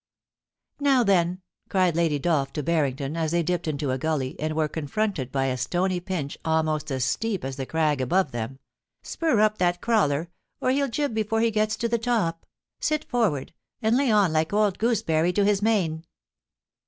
* Now then !' cried Lady Dolph to Barrington, as they dipped into a gully, and were confronted by a stony pinch almost as steep as the crag above them, * spur up that crawler, or he'll jib before he gets to the top. Sit forward, and lay on like old gooseberry to his mane.'